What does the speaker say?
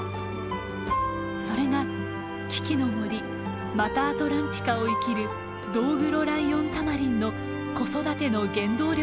それが危機の森マタアトランティカを生きるドウグロライオンタマリンの子育ての原動力なのです。